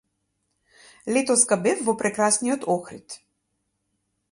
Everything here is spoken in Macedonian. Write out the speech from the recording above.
Летоска бев во прекрасниот Охрид.